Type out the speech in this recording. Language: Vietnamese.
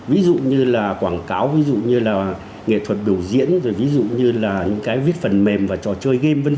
ví dụ như là quảng cáo ví dụ như là nghệ thuật biểu diễn rồi ví dụ như là những cái viết phần mềm và trò chơi game v v